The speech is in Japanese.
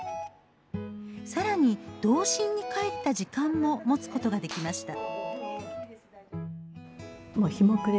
さらに、童心に返った時間も持つことができました。